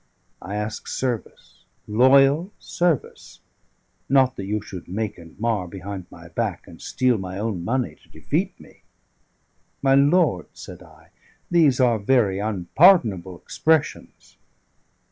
I ask service, loyal service; not that you should make and mar behind my back, and steal my own money to defeat me." "My lord," said I, "these are very unpardonable expressions."